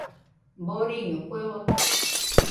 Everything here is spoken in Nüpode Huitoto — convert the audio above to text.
Doriño kue ote.